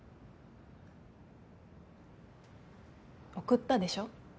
送ったでしょ。